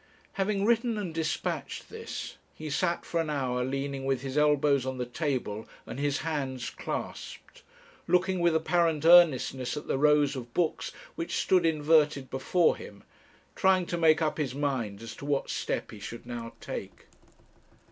Having written and dispatched this, he sat for an hour leaning with his elbows on the table and his hands clasped, looking with apparent earnestness at the rows of books which stood inverted before him, trying to make up his mind as to what step he should now take.